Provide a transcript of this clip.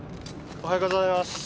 おはようございます。